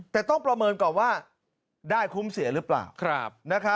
แต่ต้องประเมินก่อนว่าได้คุ้มเสียหรือเปล่า